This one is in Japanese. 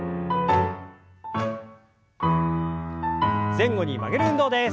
前後に曲げる運動です。